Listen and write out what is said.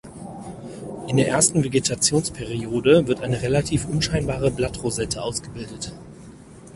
In der ersten Vegetationsperiode wird eine relativ unscheinbare Blattrosette ausgebildet.